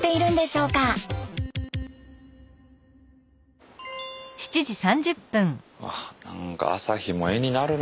うわ何か朝日も絵になるな。